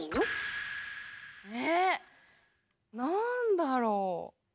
えなんだろう？